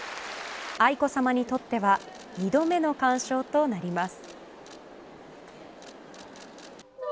愛子さまにとっては２度目の鑑賞となります。